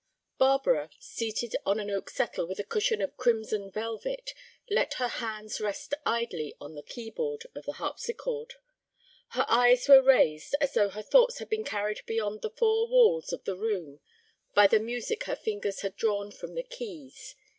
Barbara, seated on an oak settle with a cushion of crimson velvet, let her hands rest idly on the key board of the harpsichord. Her eyes were raised as though her thoughts had been carried beyond the four walls of the room by the music her fingers had drawn from the keys.